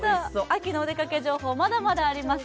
秋のお出かけ情報は、まだまだあります。